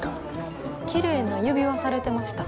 きれいな指輪されてました。